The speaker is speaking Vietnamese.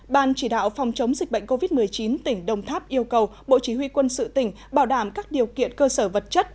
ban chỉ đạo phòng chống dịch bệnh covid một mươi chín tỉnh đồng tháp yêu cầu bộ chỉ huy quân sự tỉnh bảo đảm các điều kiện cơ sở vật chất